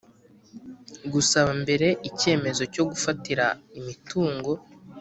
Gusaba mbere icyemezo cyo gufatira imitungo